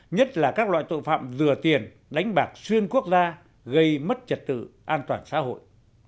nhất là các loại tội phạm dừa tiền đánh bạc xuyên quốc gia gây mất trật tự an toàn xã hội